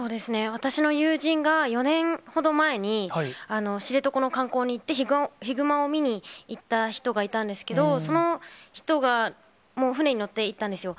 私の友人が４年ほど前に、知床の観光に行って、ヒグマを見に行った人がいたんですけど、その人が、船に乗っていったんですよ。